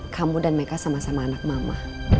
kamu dan mereka sama sama anak mama